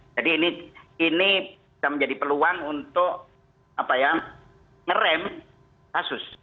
jadi ini bisa menjadi peluang untuk ngeram kasus